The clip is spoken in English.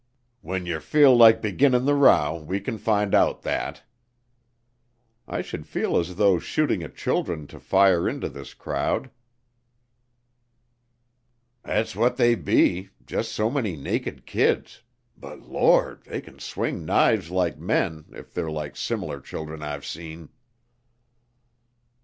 "When yer feel like beginnin' the row we can find out that." "I should feel as though shooting at children to fire into this crowd." "Thet's what they be jus' so many naked kids; but Lord, they can swing knives like men if they're like sim'lar children I've seen."